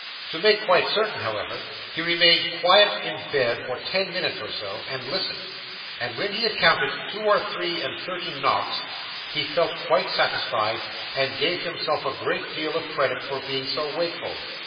To make quite certain, however, he remained quiet in bed for ten minutes or so, and listened; and when he had counted two or three and thirty knocks, he felt quite satisfied, and gave himself a great deal of credit for being so wakeful.